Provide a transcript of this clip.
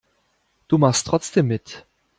Du machst trotzdem mit.